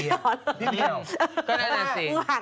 พี่เบียง